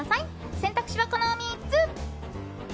選択肢は、この３つ。